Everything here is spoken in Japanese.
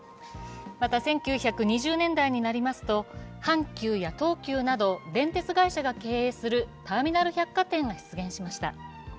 また１９２０年代になりますと、阪急や東急など電鉄会社が経営するターミナル百貨店が出現しました。